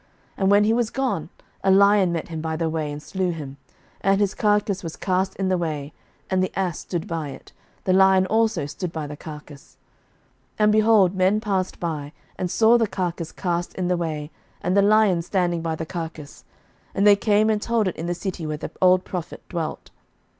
11:013:024 And when he was gone, a lion met him by the way, and slew him: and his carcase was cast in the way, and the ass stood by it, the lion also stood by the carcase. 11:013:025 And, behold, men passed by, and saw the carcase cast in the way, and the lion standing by the carcase: and they came and told it in the city where the old prophet dwelt.